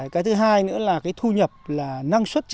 cái thứ hai nữa là cái thu nhập là năng suất trẻ